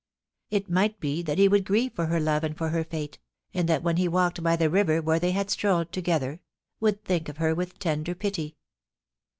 ... It might be that he would grieve for her love and for her fate, and that when he walked by the river where they had strolled to gether, would think of her with tender pity.